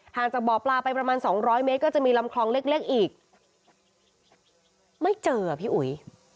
จากบ่อปลาไปประมาณสองร้อยเมตรก็จะมีลำคลองเล็กเล็กอีกไม่เจออ่ะพี่อุ๋ย